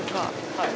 はい。